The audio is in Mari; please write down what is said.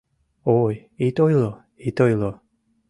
Ой, ит ойло, ит ойло!